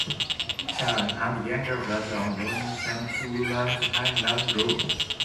Chan, and younger brother of Ronnie Chan who runs Hang Lung Group.